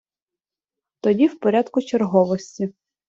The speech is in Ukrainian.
Тоді в порядку черговості.